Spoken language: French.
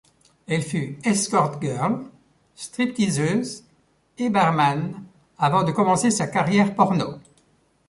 Elle fut escort girl, strip-teaseuse, et barman, avant de commencer sa carrière porno.